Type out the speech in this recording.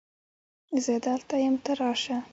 زه دلته یم ته راشه